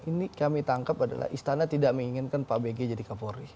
ini kami tangkap adalah istana tidak menginginkan pak bg jadi kapolri